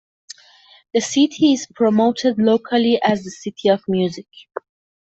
The city is promoted locally as the "City of Music".